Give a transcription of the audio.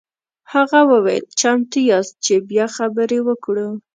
هغه وویل چمتو یاست چې بیا خبرې وکړو.